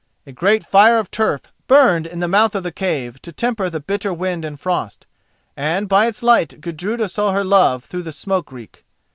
A great fire of turf burned in the mouth of the cave to temper the bitter wind and frost, and by its light Gudruda saw her love through the smoke reek.